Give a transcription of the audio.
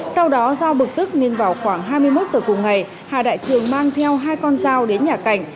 sau đó giao bực tức nên vào khoảng hai mươi một h cùng ngày hà đại trường mang theo hai con giao đến nhà cảnh